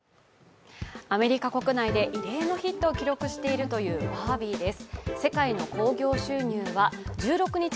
アメリカ国内で異例のヒットを記録しているという「バービー」です。